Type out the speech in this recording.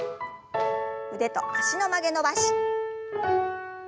腕と脚の曲げ伸ばし。